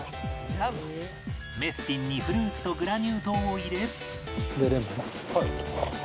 メスティンにフルーツとグラニュー糖を入れ